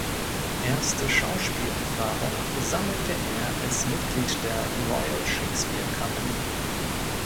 Erste Schauspielerfahrung sammelte er als Mitglied der Royal Shakespeare Company.